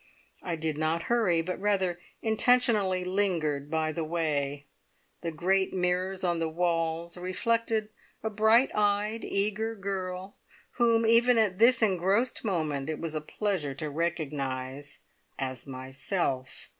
I did not hurry, but rather intentionally lingered by the way. The great mirrors on the walls reflected a bright eyed, eager girl, whom even at this engrossed moment it was a pleasure to recognise as myself.